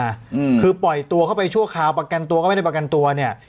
อืมคือปล่อยตัวเข้าไปชั่วคราวประกันตัวก็ไม่ได้ประกันตัวเนี้ย